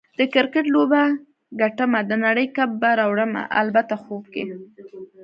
د کرکټ لوبه ګټمه، د نړۍ کپ به راوړمه - البته خوب کې